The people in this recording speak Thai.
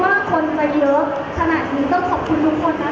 ว่าคิดใจนะคะที่แบบได้กระอบตีเวทรร่วมกัน